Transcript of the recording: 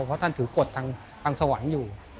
เพราะท่านถือกฎทางสวรรค์อยู่